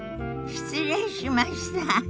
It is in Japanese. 失礼しました。